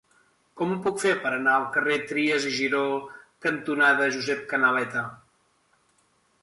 Com ho puc fer per anar al carrer Trias i Giró cantonada Josep Canaleta?